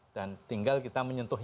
dan tinggal kita menyentuh